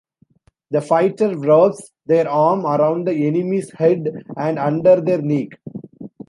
The fighter wraps their arm around the enemy's head and under their neck.